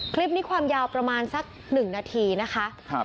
คลิปนี้ความยาวประมาณสักหนึ่งนาทีนะคะ